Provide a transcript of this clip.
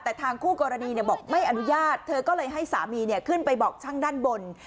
แต่ทางคู่กรณีบอกไม่อนุญาตเธอก็เลยให้สามีขึ้นไปบอกช่างด้านบน